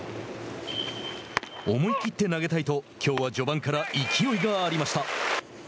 「思い切って投げたい」ときょうは序盤から勢いがありました。